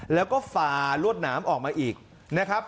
แล้วก็ฝ่ารวดหนามออกมาอีกนะครับ